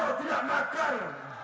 imam suhaid tidak makar